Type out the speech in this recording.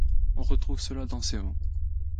On retrouve cela dans ses vins.